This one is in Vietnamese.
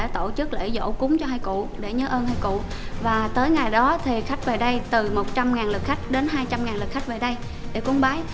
từ một trăm linh lực khách đến hai trăm linh lực khách về đây để cúng bái